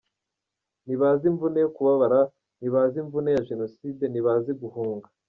Ntibazi imvune yo kubabara, ntibazi imvune ya Jenoside, ntibazi guhunga.